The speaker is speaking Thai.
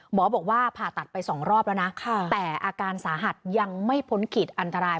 หมอบอกว่าผ่าตัดไป๒รอบแล้วนะแต่อาการสาหัสยังไม่พ้นขีดอันตราย